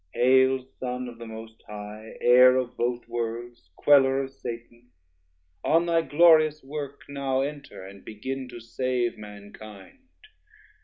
Hail Son of the most High, heir of both worlds, Queller of Satan, on thy glorious work Now enter, and begin to save mankind.